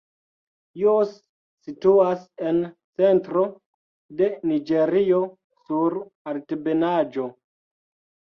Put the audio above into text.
Jos situas en centro de Niĝerio sur altebenaĵo.